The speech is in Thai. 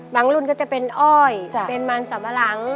บางรุนก็จะเป็นอ้อยเป็นมันสำมรัง